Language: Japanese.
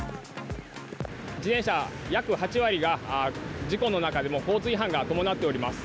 自転車約８割が、事故の中でも交通違反が伴っております。